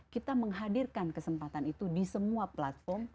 kita menghadirkan kesempatan itu di semua platform